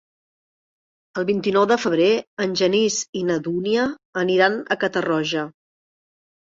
El vint-i-nou de febrer en Genís i na Dúnia aniran a Catarroja.